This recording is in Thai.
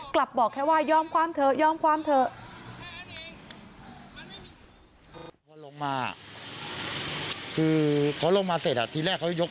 บอกแค่ว่ายอมความเถอะยอมความเถอะ